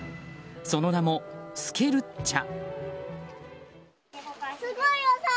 その名もスケルッチャ！